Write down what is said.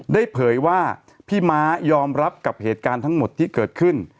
เผยว่าพี่ม้ายอมรับกับเหตุการณ์ทั้งหมดที่เกิดขึ้น